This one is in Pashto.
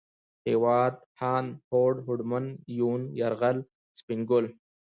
هېواد ، هاند ، هوډ ، هوډمن ، يون ، يرغل ، سپين ګل